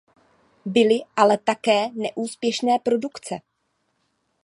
Byly ale také neúspěšné produkce.